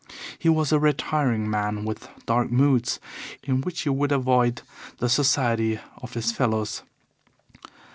He was a retiring man with dark moods, in which he would avoid the society of his fellows.